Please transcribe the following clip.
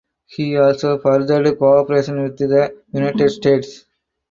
He also furthered cooperation with the United States.